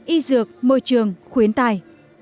y dược môi trường khuyến tài